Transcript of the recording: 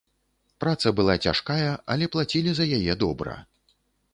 Праца была цяжкая, але плацілі за яе добра.